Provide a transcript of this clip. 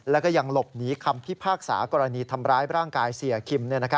แล้วก็ยังหลบหนีคำพิพากษากรณีทำร้ายร่างกายเสียคิม